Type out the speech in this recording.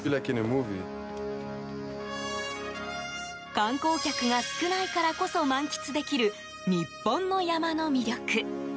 観光客が少ないからこそ満喫できる、日本の山の魅力。